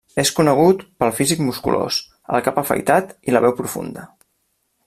És conegut pel físic musculós, el cap afaitat i la veu profunda.